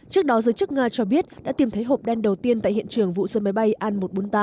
trước đó giới chức nga cho biết đã tìm thấy hộp đen đầu tiên tại hiện trường vụ rơi máy bay an một trăm bốn mươi tám